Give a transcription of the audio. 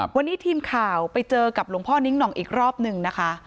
วันนี้ทีมข่าวไปเจอกับหลวงพ่อนิ้งหน่องอีกรอบหนึ่งนะคะ